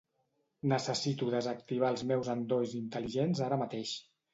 Necessito desactivar els meus endolls intel·ligents ara mateix.